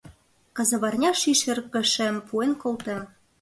Казаварня ший шергашем пуэн колтем.